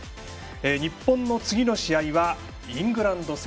日本の次の試合はイングランド戦。